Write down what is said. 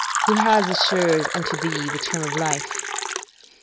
who has assured unto thee the term of life?